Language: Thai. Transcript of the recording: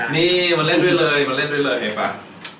นี่มันเล่นด้วยเลย